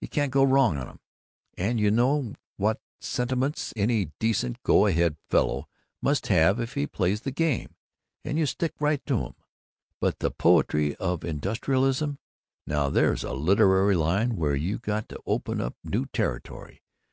You can't go wrong on 'em; you know what sentiments any decent go ahead fellow must have if he plays the game, and you stick right to 'em. But the poetry of industrialism, now there's a literary line where you got to open up new territory.